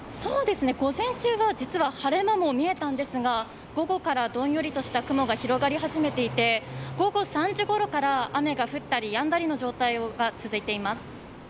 午前中は実は晴れ間も見えたんですが、午後はどんよりした雲の見えて、午後３時ごろから雨が降ったりやんだりの状態が続いています。